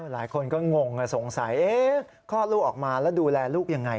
หลายคนก็งงสงสัยคลอดลูกออกมาแล้วดูแลลูกยังไง